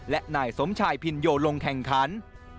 และนายสมชายพินโยลงแข่งขัน